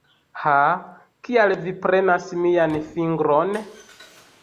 Ha... kial vi prenas mian fingron?